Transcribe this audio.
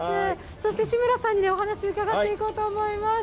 そして志村さんにお話、伺っていこうと思います。